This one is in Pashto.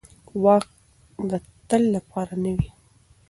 واک د تل لپاره نه وي